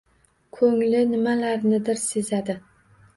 Ko'ngli nimalarnidir sezadi.